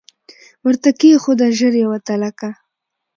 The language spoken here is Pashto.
ورته کښې یې ښوده ژر یوه تلکه